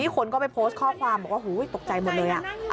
คนก็ไปโพสต์ข้อความบอกว่าตกใจหมดเลย